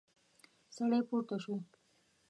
سړی پورته شو.